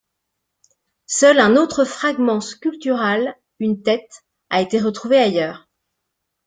Seul un autre fragment sculptural, une tête, a été retrouvé ailleurs.